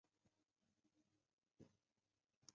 龙胆与雪绒花同属典型的和药用植物。